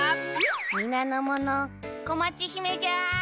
みなのものこまちひめじゃ。